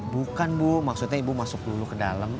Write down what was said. bukan bu maksudnya ibu masuk dulu ke dalam